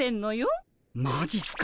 マジっすか？